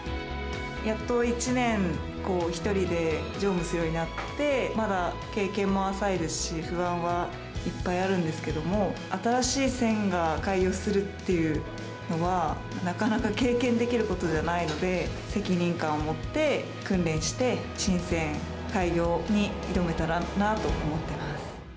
やっと１年、１人で乗務するようになって、まだ経験も浅いですし、不安はいっぱいあるんですけども、新しい線が開業するっていうのは、なかなか経験できることじゃないので、責任感を持って訓練して新線開業に挑めたらなと思ってます。